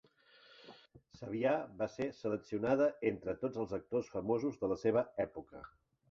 Sabiha va ser seleccionada entre tots els actors famosos de la seva època.